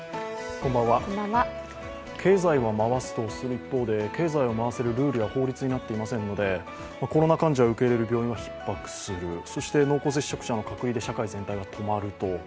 経済は回すとする一方で、経済を回すルールや法律になっていませんのでコロナ患者を受け入れる病院がひっ迫する、そして濃厚接触者の隔離で社会全体が止まると。